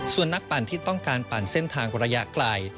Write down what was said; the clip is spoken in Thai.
ส่วนนักปั่นที่ต้องการปั่นเส้นทางระยะไกล